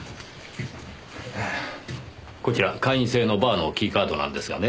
こちら会員制のバーのキーカードなんですがね